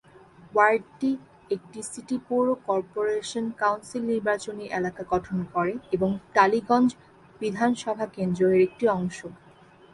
ওয়ার্ডটি একটি সিটি পৌর corporation council নির্বাচনী এলাকা গঠন করে এবং টালিগঞ্জ বিধানসভা কেন্দ্র এর একটি অংশ।